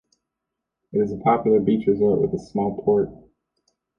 It is a popular beach resort with a small port.